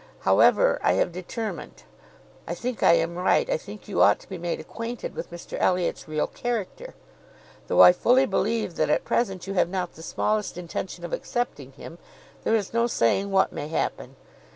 However, I have determined; I think I am right; I think you ought to be made acquainted with Mr Elliot's real character. Though I fully believe that, at present, you have not the smallest intention of accepting him, there is no saying what may happen.